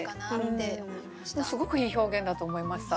でもすごくいい表現だと思いました。